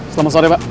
selamat sore pak